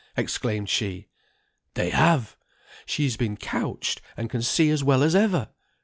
exclaimed she. "They have. She has been couched, and can see as well as ever.